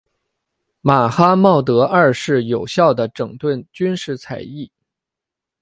马哈茂德二世有效地整顿军事采邑。